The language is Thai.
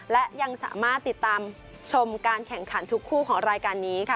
และยังสามารถติดตามชมการแข่งขันทุกคู่ของรายการนี้ค่ะ